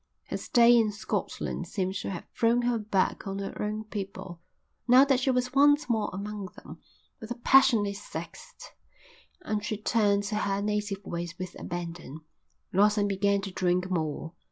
Her stay in Scotland seemed to have thrown her back on her own people, now that she was once more among them, with a passionate zest, and she turned to her native ways with abandon. Lawson began to drink more.